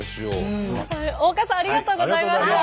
大岡さんありがとうございました。